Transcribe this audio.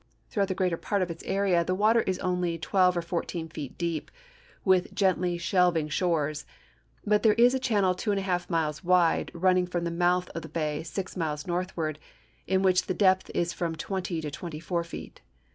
Through out the greater part of its area the water is only' twelve or fourteen feet deep with gently shelving shores ; but there is a channel two and a half miles wide, running from the mouth of the bay six miles northward, in which the depth is from twenty to twenty four feet.